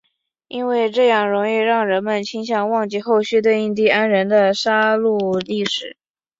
因为这样容易让人们倾向忘记后续对印第安人的杀戮历史。